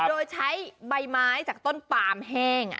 โดยใช้ใบไม้จากต้นปามแห้ง